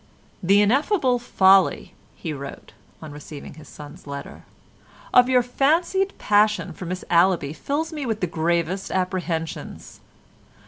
"The ineffable folly," he wrote, on receiving his son's letter, "of your fancied passion for Miss Allaby fills me with the gravest apprehensions.